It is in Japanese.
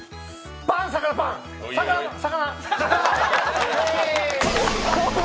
パン・魚・パン魚、魚。